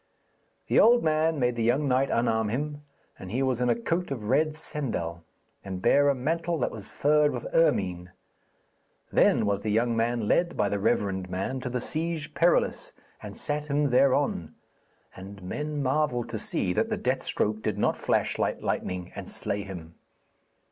The old man made the young knight unarm him, and he was in a coat of red sendal, and bare a mantle that was furred with ermine. Then was the young man led by the reverend man to the Siege Perilous, and sat him thereon, and men marvelled to see that the death stroke did not flash like lightning and slay him.